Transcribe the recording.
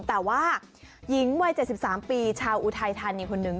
แต่ว่าหญิงวัย๗๓ปีชาวอุทายทันอย่างคนนึง